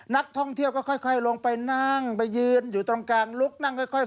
นักท่องเที่ยวก็ค่อยลงไปนั่งไปยืนอยู่ตรงกลางลุกนั่งค่อย